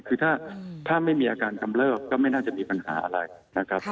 คือถ้าไม่มีอาการกำเริบก็ไม่น่าจะมีปัญหาอะไรนะครับ